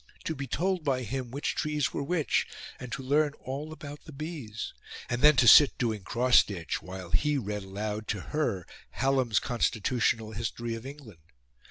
To be told by him which trees were which; and to learn all about the bees! And then to sit doing cross stitch while he read aloud to her Hallam's Constitutional History of England!